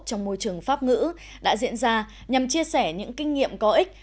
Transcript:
trong môi trường pháp ngữ đã diễn ra nhằm chia sẻ những kinh nghiệm có ích